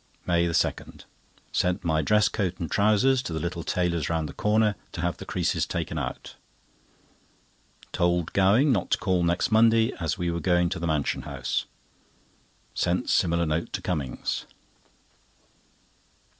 MAY 2.—Sent my dress coat and trousers to the little tailor's round the corner, to have the creases taken out. Told Gowing not to call next Monday, as we were going to the Mansion House. Sent similar note to Cummings.